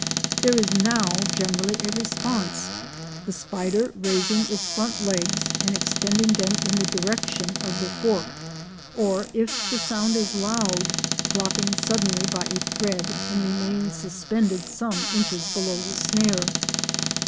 There is now generally a response, the spider raising its front legs and extending them in the direction of the fork, or, if the sound is loud, dropping suddenly by a thread and remaining suspended some inches below the snare.